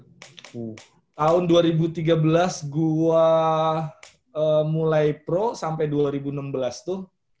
tahun dua ribu tiga belas gue mulai pro sampai dua ribu enam belas tuh